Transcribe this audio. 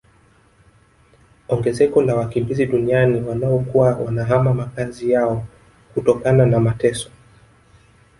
Ongezeko la wakimbizi duniani wanaokuwa wanahama makazi yao kutokana na mateso